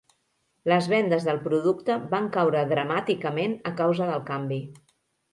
Les vendes del producte van caure dramàticament a causa del canvi.